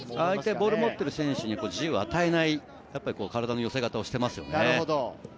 ボールを持っている選手に自由を与えない寄せ方をしていますよね。